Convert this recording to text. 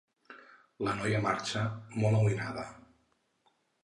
La noia marxa, molt amoïnada.